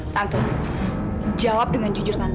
tante jawab dengan jujur tante